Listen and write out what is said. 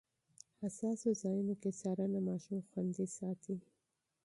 حساسو ځایونو کې څارنه ماشوم خوندي ساتي.